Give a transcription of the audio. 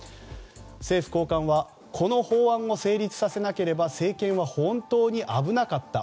政府高官はこの法案を成立させなければ政権は本当に危なかった。